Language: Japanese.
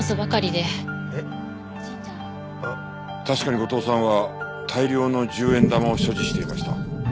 確かに後藤さんは大量の１０円玉を所持していました。